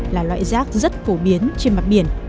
là loại rác rất phổ biến trên mặt biển